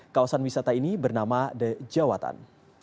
kawasan wisata ini bernama the jawatan